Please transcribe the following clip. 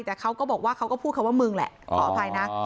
แต่เขาก็บอกว่าเขาก็พูดคำว่ามึงแหละขออภัยนะ